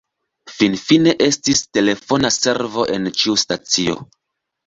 Finfine, estis telefona servo en ĉiu stacio.